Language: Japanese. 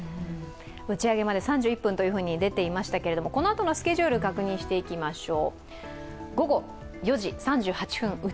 打ち上げまで３１分と出ていましたけれども、このあとのスケジュール、確認しておきましょう。